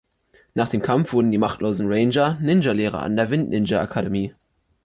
Nach dem Kampf wurden die machtlosen Ranger Ninjalehrer an der Wind-Ninja-Akademie.